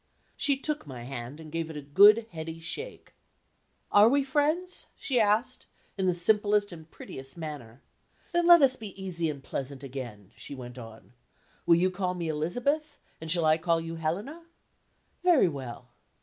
She took my hand, and gave it a good, heady shake. "Are we friends?" she asked, in the simplest and prettiest manner. "Then let us be easy and pleasant again," she went on. "Will you call me Elizabeth; and shall I call you Helena? Very well.